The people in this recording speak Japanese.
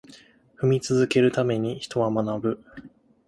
挑み続けるために、人は学ぶ。